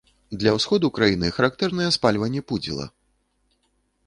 Для ўсходу краіны характэрнае спальванне пудзіла.